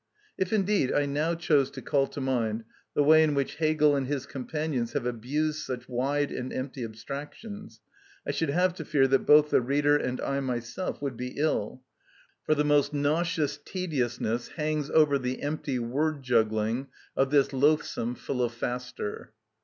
If indeed I now chose to call to mind the way in which Hegel and his companions have abused such wide and empty abstractions, I should have to fear that both the reader and I myself would be ill; for the most nauseous tediousness hangs over the empty word juggling of this loathsome philophaster.